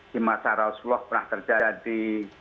di masa rasulullah pernah terjadi